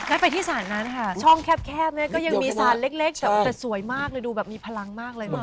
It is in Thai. ไปที่ศาลนั้นค่ะช่องแคบเนี่ยก็ยังมีสารเล็กแต่สวยมากเลยดูแบบมีพลังมากเลย